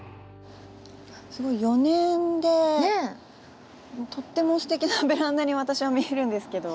４年でとってもすてきなベランダに私は見えるんですけど。